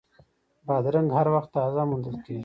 بادرنګ هر وخت تازه موندل کېږي.